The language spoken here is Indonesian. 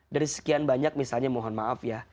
dari sekian banyak misalnya mohon maaf ya